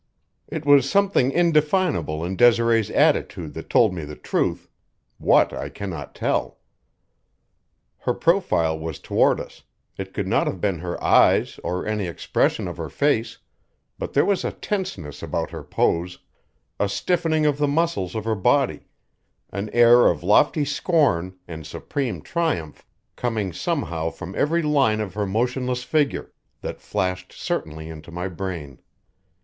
It was something indefinable in Desiree's attitude that told me the truth what, I cannot tell. Her profile was toward us; it could not have been her eyes or any expression of her face; but there was a tenseness about her pose, a stiffening of the muscles of her body, an air of lofty scorn and supreme triumph coming somehow from every line of her motionless figure, that flashed certainty into my brain.